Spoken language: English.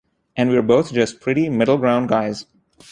And we're both just pretty middle-ground guys.